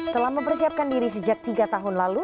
telah mempersiapkan diri sejak tiga tahun lalu